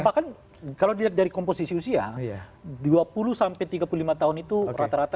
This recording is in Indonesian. bahkan kalau dilihat dari komposisi usia dua puluh sampai tiga puluh lima tahun itu rata rata